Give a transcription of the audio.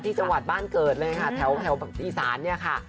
ที่จังหวัดบ้านเกิดเลยนะคะแถวตีศาลเนี่ยค่ะ